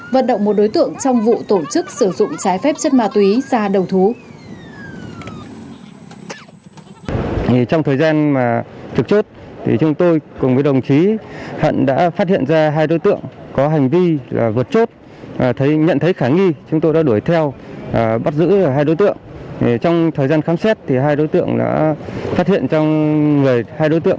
vận động một đối tượng trong vụ tổ chức sử dụng trái phép chân ma túy ra đầu thú